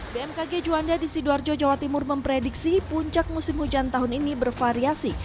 bmkg juanda di sidoarjo jawa timur memprediksi puncak musim hujan tahun ini bervariasi